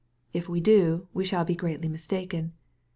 If we do, we shall be greatly mistaken.